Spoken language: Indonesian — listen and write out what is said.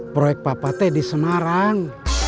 proyek papa teh di semarang